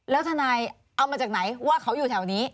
แล้วทนายเอามาจากไหนว่าเขาอยู่แถวนี้